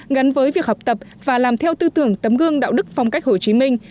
gắn với việc học tập và làm theo tư tưởng tấm gương đạo đức phong cách hồ chí minh